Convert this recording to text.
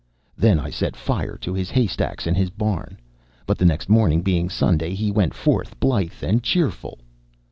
Then I set fire to his haystacks and his barn. But the next morning, being Sunday, he went forth blithe and cheerful.